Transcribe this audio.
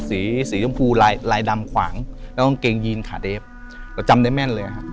สีสีชมพูลายลายดำขวางแล้วกางเกงยีนขาเดฟเราจำได้แม่นเลยครับ